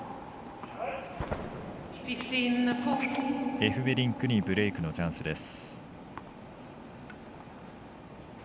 エフベリンクにブレークのチャンスです。